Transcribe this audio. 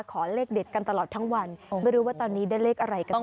ขอเลขเด็ดกันตลอดทั้งวันไม่รู้ว่าตอนนี้ได้เลขอะไรกันบ้าง